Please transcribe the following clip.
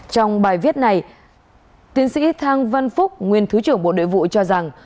trong bài viết này tiến sĩ thang văn phúc nguyên thứ trưởng bộ nội vụ cho rằng